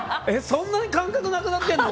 そんなに感覚なくなってんの？